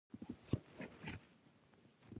درې واړه د هغو هسپانوي فاتحانو لمسیان وو.